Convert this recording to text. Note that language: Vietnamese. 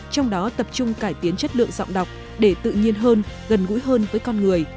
trong đó tập trung cải tiến chất lượng giọng đọc để tự nhiên hơn gần gũi hơn với con người